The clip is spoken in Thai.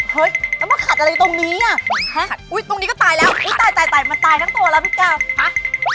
เฮ้ยแล้วมาขัดอะไรตรงนี้อ่ะอุ้ยตรงนี้ก็ตายแล้วอุ้ยตายตายมันตายทั้งตัวแล้วพี่กาฮะ